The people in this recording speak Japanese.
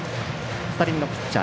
２人目のピッチャー